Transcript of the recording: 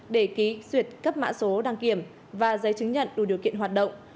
để ký duyệt cấp mã số đăng kiểm và giấy chứng nhận đủ điều kiện hoạt động